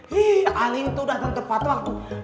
hii alin tuh datang tepat banget